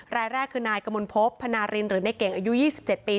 รายแรกคือนายกมลพบพนารินหรือในเก่งอายุ๒๗ปี